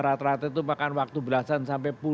rata rata itu makan waktu belasan sampai